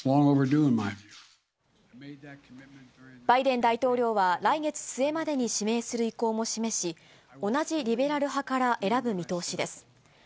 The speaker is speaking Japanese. バイデン大統領は来月末までに指名する意向を示し、同じリベラル派から選ぶ見通しです。